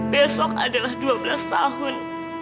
besok adalah dua belas tahun